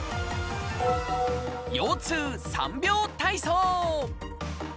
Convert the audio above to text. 腰痛３秒体操。